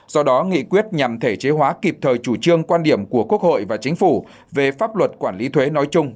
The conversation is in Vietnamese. do đó nghị quyết nhằm thể chế hóa kịp thời chủ trương quan điểm của quốc hội và chính phủ về pháp luật quản lý thuế nói chung